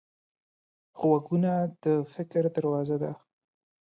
غوږونه د فکر دروازه ده